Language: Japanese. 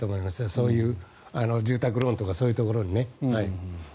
そういう住宅ローンとかそういうところにはね。